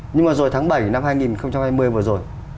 nhưng mà rồi tháng bảy năm hai nghìn hai mươi vừa rồi